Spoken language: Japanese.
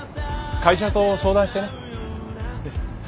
会社と相談してね。